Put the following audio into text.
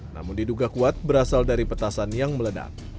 namun diduga kuat berasal dari petasan yang meledak